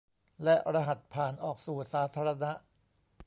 และรหัสผ่านออกสู่สาธารณะ